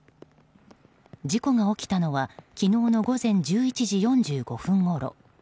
事故が起きたのは昨日の午前１１時４５分ごろ。